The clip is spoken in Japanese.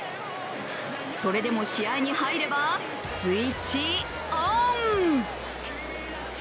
それでも、試合に入ればスイッチオン！